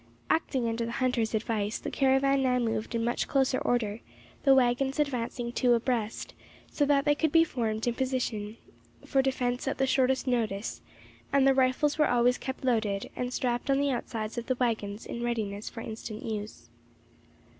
Acting under the hunters' advice, the caravan now moved in much closer order, the waggons advancing two abreast, so that they could be formed in position for defence at the shortest notice; and the rifles were always kept loaded, and strapped on the outsides of the waggons in readiness for instant use.